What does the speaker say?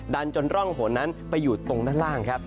จนร่องหนนั้นไปอยู่ตรงด้านล่างครับ